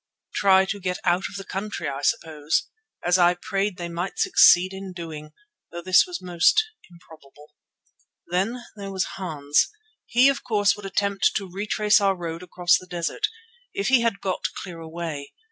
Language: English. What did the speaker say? Try to get out of the country, I suppose, as I prayed they might succeed in doing, though this was most improbable. Then there was Hans. He of course would attempt to retrace our road across the desert, if he had got clear away.